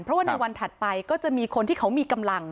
เพราะว่าในวันถัดไปก็จะมีคนที่เขามีกำลัง